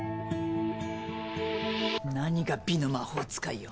何が美の魔法使いよ。